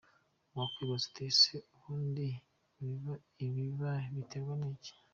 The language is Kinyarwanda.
Wakwibaza uti ese ubundi ibibari biterwa n’iki?.